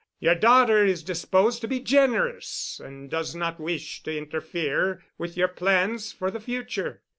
Yer daughter is disposed to be generous and does not wish to interfere with yer plans for the future.